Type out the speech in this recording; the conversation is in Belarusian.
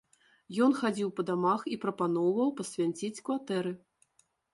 Ён хадзіў па дамах і прапаноўваў пасвянціць кватэры.